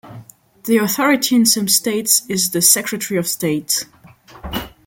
The authority in some states is the Secretary of State.